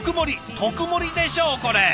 特盛りでしょうこれ！